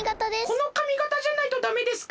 このかみがたじゃないとダメですか？